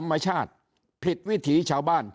ยิ่งอาจจะมีคนเกณฑ์ไปลงเลือกตั้งล่วงหน้ากันเยอะไปหมดแบบนี้